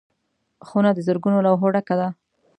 خونه د زرګونو لوحو ډکه ده.